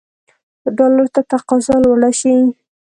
ډالرو ته تقاضا لوړه شي.